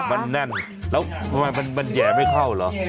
มันแน่นแล้วมันแหย่ไม่เข้าเหรอ